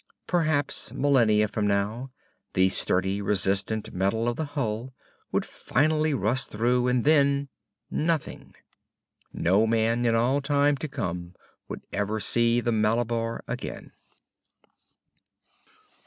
Perhaps millenia from now, the sturdy, resistant metal of the hull would finally rust through, and then nothing. No man in all time to come would ever see the Malabar again.